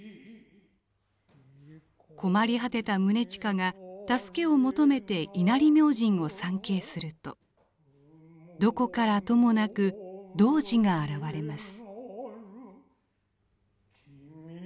困り果てた宗近が助けを求めて稲荷明神を参詣するとどこからともなく童子が現れます。